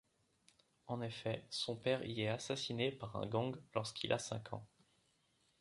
En effet, son père y est assassiné par un gang lorsqu'il a cinq ans.